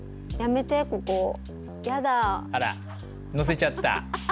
あら乗せちゃった。